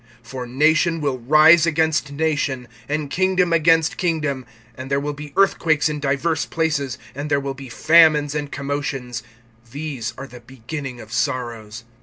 (8)For nation will rise against nation, and kingdom against kingdom; and there will be earthquakes in divers places, and there will be famines and commotions; these are the beginning of sorrows.